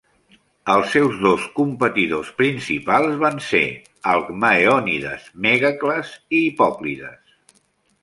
Els seus dos competidors principals van ser Alcmaeònides Mègacles i Hipòclides.